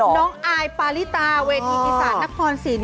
น้องอายปาริตาเวทีอีสานนครสิน